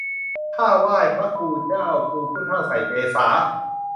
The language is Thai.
ข้าไหว้พระครูเจ้า ครูผู้เฒ่าใส่เกศา